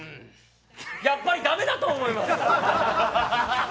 やっぱり駄目だと思います。